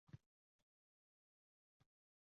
Men xaltamdan ikkinchi shishani ham oldim.